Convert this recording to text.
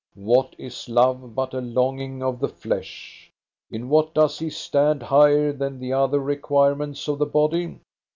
What is love but a longing of the flesh? In what does he stand higher than the other requirements of the body?